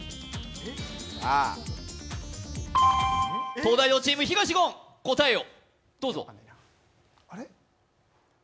「東大王」チーム、東言、答えを。